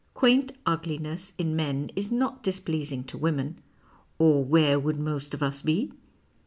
Quaint ugliness in men is not displeasing to women (or where would most of us be